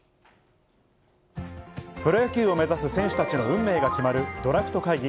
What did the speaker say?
プロ野球を目指す選手たちの運命が決まるドラフト会議。